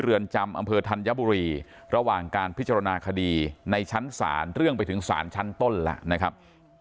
เรือนจำอำเภอธัญบุรีระหว่างการพิจารณาคดีในชั้นศาลเรื่องไปถึงศาลชั้นต้นแล้วนะครับ